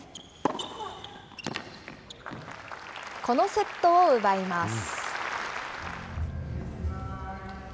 このセットを奪います。